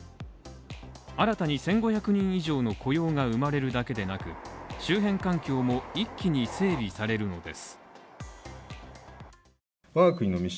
新たに１５００人以上の雇用が生まれるだけでなく、周辺環境も一気に整備されるのです。